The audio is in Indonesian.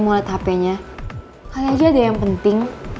mau liat hpnya kali aja ada yang penting